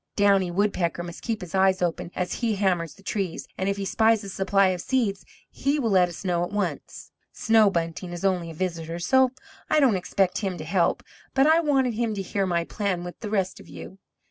Downy Woodpecker must keep his eyes open as he hammers the trees, and if he spies a supply of seeds he will let us know at once. Snow Bunting is only a visitor, so I don't expect him to help, but I wanted him to hear my plan with the rest of you.